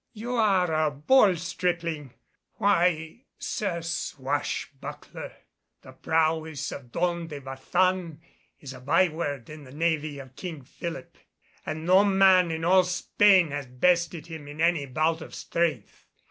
"You are a bold stripling. Why, Sir Swashbuckler, the prowess of Don de Baçan is a byword in the navy of King Philip, and no man in all Spain has bested him in any bout of strength.